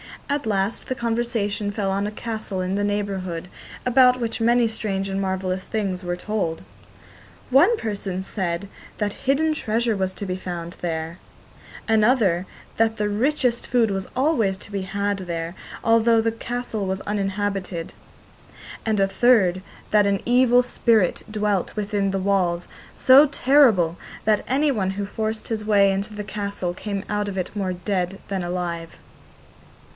At last the conversation fell on a castle in the neighbourhood, about which many strange and marvellous things were told. One person said that hidden treasure was to be found there; another that the richest food was always to be had there, although the castle was uninhabited; and a third, that an evil spirit dwelt within the walls, so terrible, that anyone who forced his way into the castle came out of it more dead than alive.